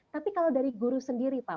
tapi kalau dari guru sendiri pak